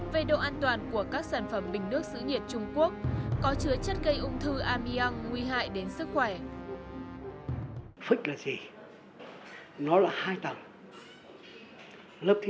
về độ an toàn của các sản phẩm bình nước xứ nhiệt trung quốc có chứa chất gây ung thư amiang nguy hại đến sức khỏe